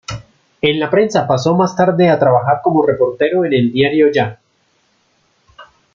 En la prensa pasó más tarde a trabajar como reportero en el "Diario Ya".